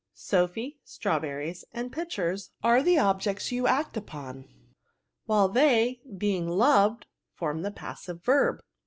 Sophy, strawberries, and pictures, are the objects you act upon, while they, being loved, form the passive verb."